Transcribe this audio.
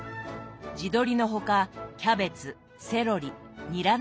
地鶏の他キャベツセロリニラなど。